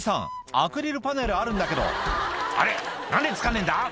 アクリルパネルあるんだけど「あれ？何で付かねえんだ？」